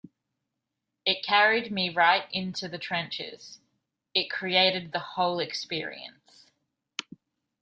It carried me right into the trenches; it created the whole experience.